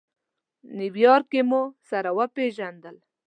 نیویارک کې مو سره وپېژندل.